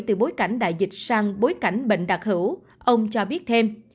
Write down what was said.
từ bối cảnh đại dịch sang bối cảnh bệnh đặc hữu ông cho biết thêm